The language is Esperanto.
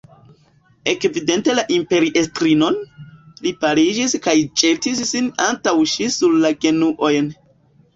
Ekvidinte la imperiestrinon, li paliĝis kaj ĵetis sin antaŭ ŝi sur la genuojn.